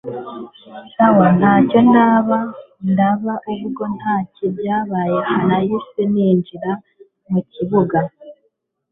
sawa ntacyo ndaba ndeba! ubwo ntakindi cyabaye nahise ninjira mukibuga